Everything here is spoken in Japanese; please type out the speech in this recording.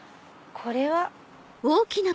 これは。